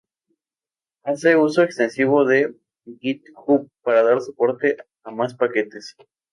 Hace uso extensivo de GitHub para dar soporte a más paquetes.